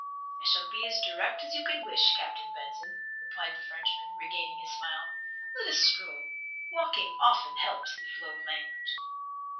"I shall be as direct as you can wish, Captain Benson," replied the Frenchman, regaining his smile. "Let us stroll. Walking often helps the flow of language."